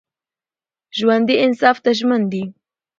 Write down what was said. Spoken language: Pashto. ژوندي انصاف ته ژمن دي